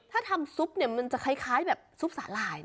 ถ้าทำซุปเนี่ยมันจะคล้ายแบบซุปสาหร่าย